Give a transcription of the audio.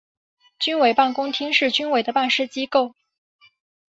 军委办公厅是军委的办事机构。